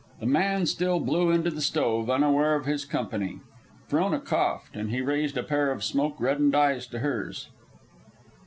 The man still blew into the stove, unaware of his company. Frona coughed, and he raised a pair of smoke reddened eyes to hers.